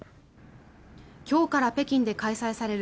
今日から北京で開催される